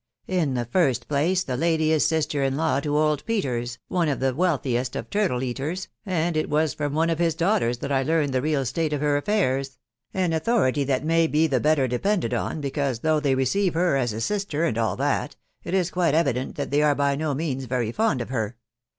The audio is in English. In Jjhe first place, the lady is sister in law to old Peters, one of tfyft wealthiest of turtle eaters, and it was from one of his daughter! that 1 learned the real state of her affairs, — an authority that may be the better depended on, because, though they receive her as a sister, and all that, it is quite evident that they are by no means very fond of her.